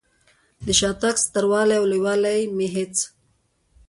د شاتګ ستر والی او لوی والی مې هېڅ.